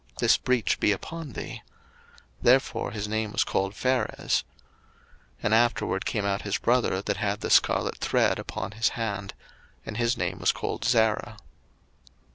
this breach be upon thee: therefore his name was called Pharez. 01:038:030 And afterward came out his brother, that had the scarlet thread upon his hand: and his name was called Zarah.